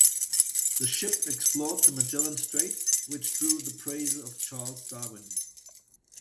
The ship explored the Magellan Strait, which drew the praise of Charles Darwin.